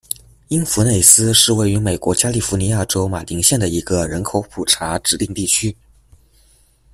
因弗内斯是位于美国加利福尼亚州马林县的一个人口普查指定地区。